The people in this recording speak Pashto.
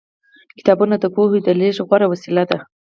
کتابونه د پوهې د لېږد غوره وسیله ده.